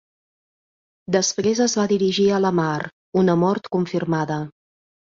Després es va dirigir a la mar, una mort confirmada.